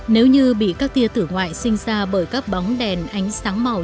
nếu như bị các tia tử ngoại sinh ra bởi các bóng đèn ánh sáng màu